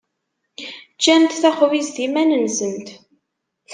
Ččant taxbizt iman-nsent.